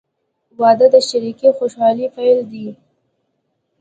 • واده د شریکې خوشحالۍ پیل دی.